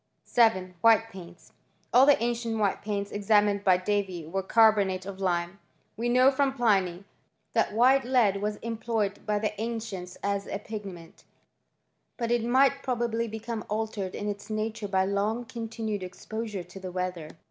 7. White paints. All the ancient white paints ex amined by Davy were carbonates of lime.* We know from Pliny that white lead was employed by the ancients as a pigment ; but it might probably become altered in its nature by long continued exposure to the weather.